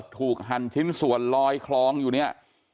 หั่นชิ้นส่วนลอยคลองอยู่เนี่ย